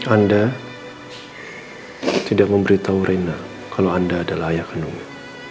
anda tidak memberitahu reina kalau anda adalah ayah kendungnya